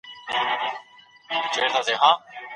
حاصلات بې وخته نه ټولیږي.